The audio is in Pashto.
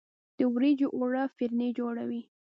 د وریجو اوړه فرني جوړوي.